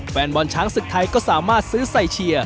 แฟนบอลช้างศึกไทยก็สามารถซื้อใส่เชียร์